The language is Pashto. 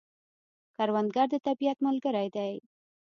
کروندګر د طبیعت ملګری دی